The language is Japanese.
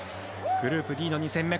グループＤの２戦目。